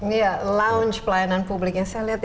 ini ya lounge pelayanan publik yang saya lihat